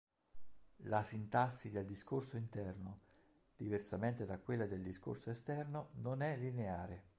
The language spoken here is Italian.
La sintassi del discorso interno, diversamente da quella del discorso esterno, non è lineare.